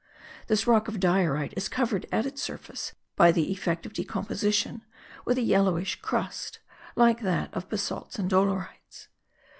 This rock of diorite is covered at its surface, by the effect of decomposition, with a yellowish crust, like that of basalts and dolerites.